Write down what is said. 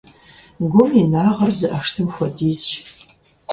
Гум и инагъыр зы ӀэштӀым хуэдизщ.